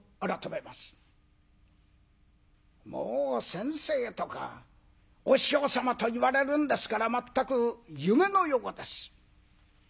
もう先生とかお師匠様と言われるんですからまったく夢のようです。